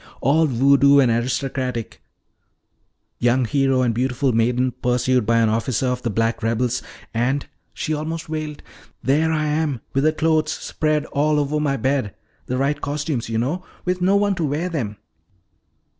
All voodoo and aristocratic young hero and beautiful maiden pursued by an officer of the black rebels. And," she almost wailed, "here I am with the clothes spread all over my bed the right costumes, you know with no one to wear them.